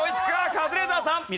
カズレーザーさん。